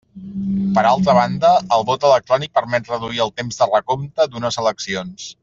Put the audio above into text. Per altra banda, el vot electrònic permet reduir el temps de recompte d'unes eleccions.